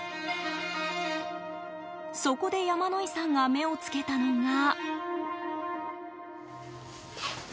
そこで山野井さんが目を付けたのが。